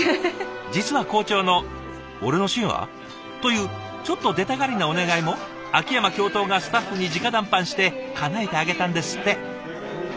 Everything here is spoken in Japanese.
実は校長の「俺のシーンは？」というちょっと出たがりなお願いも秋山教頭がスタッフにじか談判してかなえてあげたんですって。